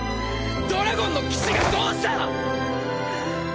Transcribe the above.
ドラゴンの騎士がどうした！